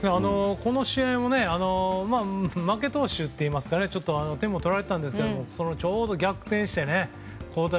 この試合も負け投手といいますか点も取られたんですけどちょうど逆転して。